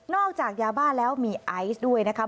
จากยาบ้าแล้วมีไอซ์ด้วยนะคะ